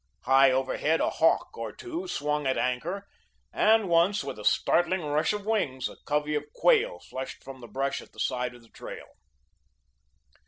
High overhead, a hawk or two swung at anchor, and once, with a startling rush of wings, a covey of quail flushed from the brush at the side of the trail.